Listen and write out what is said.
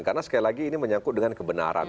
karena sekali lagi ini menyangkut dengan kebenaran